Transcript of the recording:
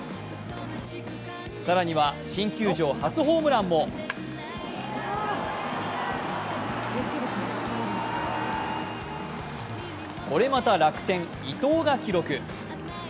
更には新球場初ホームランもこれまた楽天・伊藤が記録。